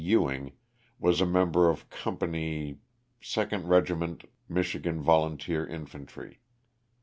Ewing, was a member of Company —, 2d Regiment Michigan Volunteer Infantry.